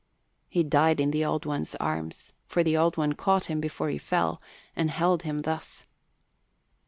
He died in the Old One's arms, for the Old One caught him before he fell, and held him thus.